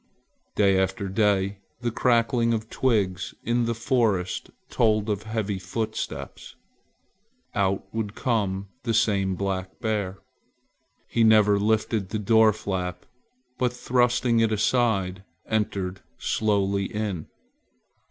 Day after day the crackling of twigs in the forest told of heavy footsteps. Out would come the same black bear. He never lifted the door flap, but thrusting it aside entered slowly in.